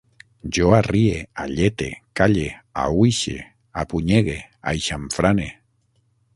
Jo arrie, allete, calle, aüixe, apunyegue, aixamfrane